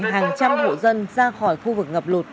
hàng trăm hộ dân ra khỏi khu vực ngập lụt